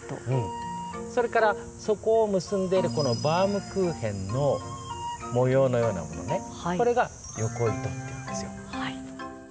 それから、そこを結んでいるバウムクーヘンの模様のようなのねこれが横糸っていうんですよ。